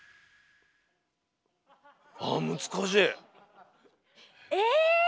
あ難しい。え？